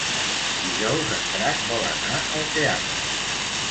Dijous en Drac vol anar al teatre.